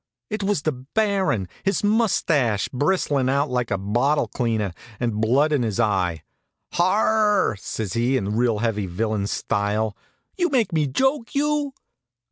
It was the Baron, his mustache bristlin' out like a bottle cleaner, and blood in his eye. "Ha r r r!" says he in real heavy villain style. "You make me a joke, you?"